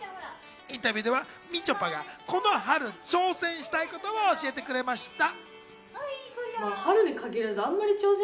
インタビューではみちょぱがこの春挑戦したいことを教えてくれました。